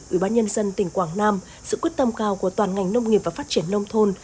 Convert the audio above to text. ủy ban nhân dân tỉnh quảng nam sự quyết tâm cao của toàn ngành nông nghiệp và phát triển nông thôn